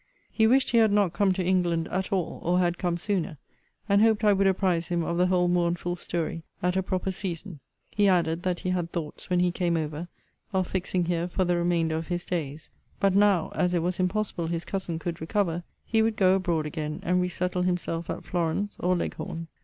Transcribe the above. He wished he had not come to England at all, or had come sooner; and hoped I would apprize him of the whole mournful story, at a proper season. He added, that he had thoughts, when he came over, of fixing here for the remainder of his days; but now, as it was impossible his cousin could recover, he would go abroad again, and re settle himself at Florence or Leghorn.